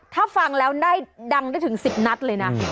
ถ้าฟังแล้วได้ดังได้ถึง๑๐นัดเลยนะ